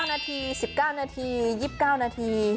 นาที๑๙นาที๒๙นาที